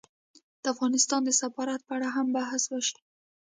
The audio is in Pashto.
د افغانستان د سفارت په اړه هم بحث وشي